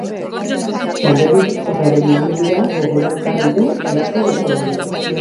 Talde gipuzkoarraren ibilbideak gogora ekarri du iazko denboraldia.